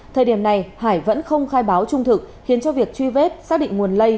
thời điểm này hải vẫn không khai báo trung thực khiến cho việc truy vết xác định nguồn lây